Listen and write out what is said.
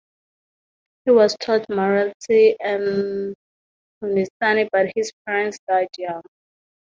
He was taught Marathi and Hindustani but his parents died young.